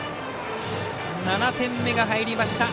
７点目が入りました。